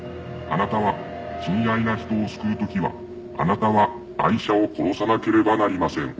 「あなたは親愛な人を救う時はあなたはアイシャを殺さなければなりません」